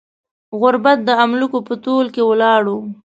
غریب د املوکو په تول کې ولاړو.